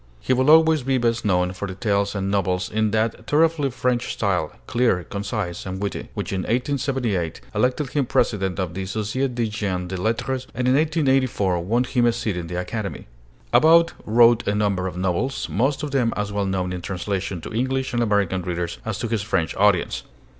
He will always be best known for the tales and novels in that thoroughly French style clear, concise, and witty which in 1878 elected him president of the Société des Gens de Lettres, and in 1884 won him a seat in the Academy. About wrote a number of novels, most of them as well known in translation to English and American readers as to his French audience.